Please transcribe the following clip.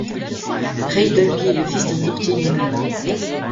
Ray Dolby est le fils d'un courtier immobilier.